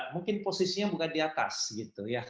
mungkin posisinya bukan di atas gitu ya